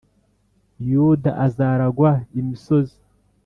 Yuda azaragwa imisozi